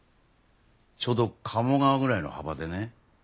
ちょうど鴨川ぐらいの幅でね